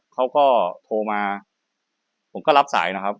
เขาก็โทรมาผมก็รับสายนะครับ